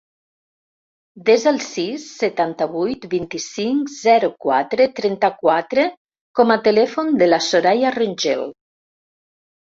Desa el sis, setanta-vuit, vint-i-cinc, zero, quatre, trenta-quatre com a telèfon de la Soraya Rengel.